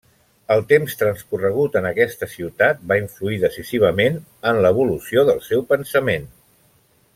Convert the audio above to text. El temps transcorregut en aquesta ciutat va influir decisivament en l'evolució del seu pensament.